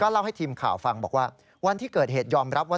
เต็มข่าวฟังว่าวันที่เกิดเหตุยอมรับว่า